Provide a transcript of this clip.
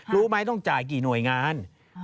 รู้ไหมต้องจ่ายกี่หน่วยงาน